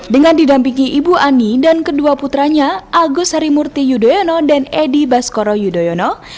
dengan didampingi ibu ani dan kedua putranya agus harimurti yudhoyono dan edi baskoro yudhoyono